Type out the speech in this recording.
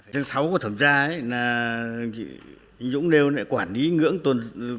trần sáu có thẩm gia là dũng nêu lại quản lý ngưỡng tồn dư